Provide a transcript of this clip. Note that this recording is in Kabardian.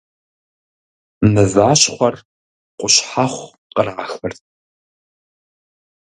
Мыващхъуэр къущхьэхъу кърахырт.